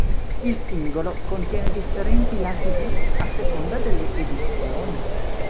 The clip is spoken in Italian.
Il singolo contiene differenti lati B, a seconda delle edizioni.